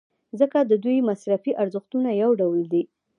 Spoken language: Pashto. ځکه د دوی مصرفي ارزښتونه یو ډول دي.